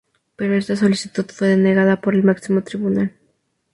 Pero esta solicitud fue denegada por el máximo tribunal.